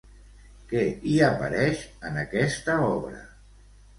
Què hi apareix en aquesta obra?